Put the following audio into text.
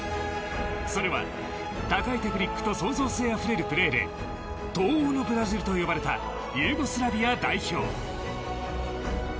それは、高いテクニックと創造性あふれるプレーで東欧のブラジルと呼ばれたユーゴスラビア代表。